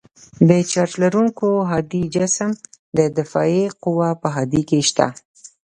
د چارج لرونکي هادي جسم د دافعې قوه په هادې کې شته.